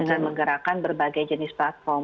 dengan menggerakkan berbagai jenis platform